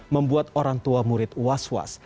membuat orang tua murid was was